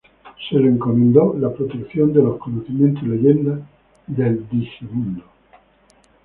Se le encomendó la protección de los conocimientos y leyendas, del digimundo.